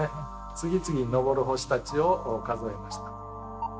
次々昇る星たちを数えました。